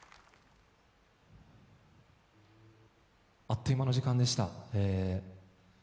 あっという間の時間でした。